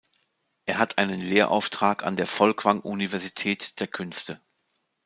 Er hat einen Lehrauftrag an der Folkwang Universität der Künste.